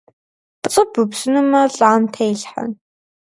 ПцIы бупсынумэ лIам телъхьэ.